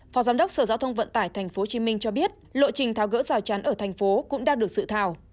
phó giám đốc sở giao thông vận tải tp hcm cho biết lộ trình tháo gỡ rào chắn ở thành phố cũng đang được sự thảo